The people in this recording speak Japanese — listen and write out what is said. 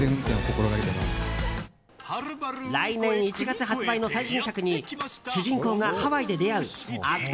来年１月発売の最新作に主人公がハワイで出会う悪徳